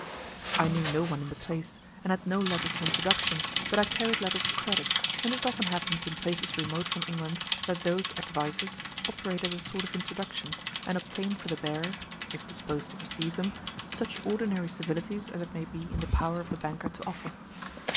I knew no one in the place, and had no letters of introduction, but I carried letters of credit, and it often happens in places remote from England that those "advices" operate as a sort of introduction, and obtain for the bearer (if disposed to receive them) such ordinary civilities as it may be in the power of the banker to offer.